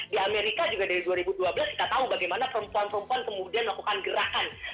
di amerika juga dari dua ribu dua belas kita tahu bagaimana perempuan perempuan kemudian melakukan gerakan